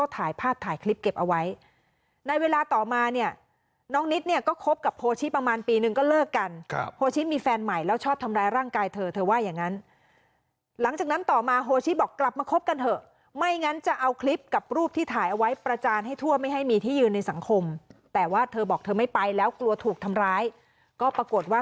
ถ่ายภาพถ่ายคลิปเก็บเอาไว้ในเวลาต่อมาเนี่ยน้องนิดเนี่ยก็คบกับโพชิประมาณปีนึงก็เลิกกันโฮชิมีแฟนใหม่แล้วชอบทำร้ายร่างกายเธอเธอว่าอย่างนั้นหลังจากนั้นต่อมาโฮชิบอกกลับมาคบกันเถอะไม่งั้นจะเอาคลิปกับรูปที่ถ่ายเอาไว้ประจานให้ทั่วไม่ให้มีที่ยืนในสังคมแต่ว่าเธอบอกเธอไม่ไปแล้วกลัวถูกทำร้ายก็ปรากฏว่า